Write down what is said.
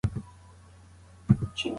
هغه غږ ترې وپوښتل چې ایا ته ویده یې؟